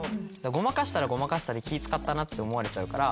ごまかしたらごまかしたで気ぃ使ったなって思われちゃうから。